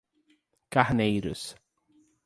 Carneiros